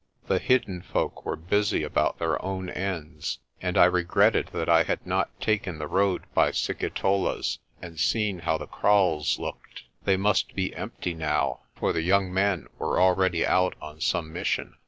The hidden folk were busy about their own ends, and I regretted that I had not taken the road by Sikitola's and seen how the kraals looked. They must be empty now for the young men were already out on some mission.